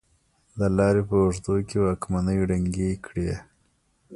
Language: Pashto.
د لارې په اوږدو کې واکمنۍ ړنګې کړې.